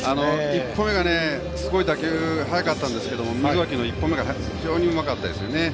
１歩目がすごい打球が速かったんですが溝脇の１歩目が非常に早かったですね。